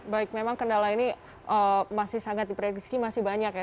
baik memang kendala ini masih sangat diprediksi masih banyak ya